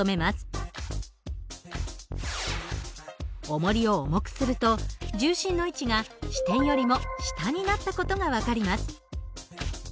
おもりを重くすると重心の位置が支点よりも下になった事が分かります。